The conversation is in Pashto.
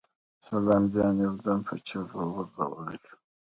سلام جان يودم په چيغه ور روان شو.